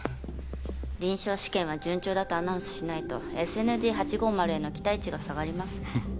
臨床試験は順調だとアナウンスしないとＳＮＤ８５０への期待値が下がります